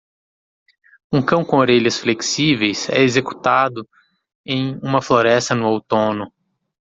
Um cão com orelhas flexíveis é executado em uma floresta no outono.